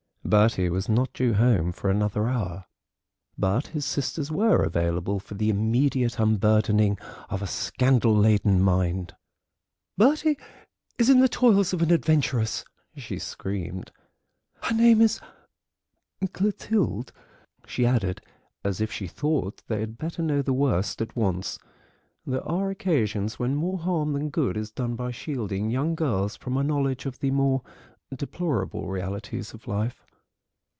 Bertie was not due home for another hour, but his sisters were available for the immediate unburdening of a scandal laden mind. "Bertie is in the toils of an adventuress," she screamed; "her name is Clotilde," she added, as if she thought they had better know the worst at once. There are occasions when more harm than good is done by shielding young girls from a knowledge of the more deplorable realities of life.